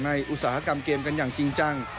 อุตสาหกรรมเกมกันอย่างจริงจัง